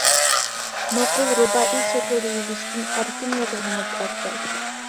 نوقۇل رۇبائىي شەكىلدە يېزىشتىن ئەركىن يازغىنىڭىز ئەۋزەل.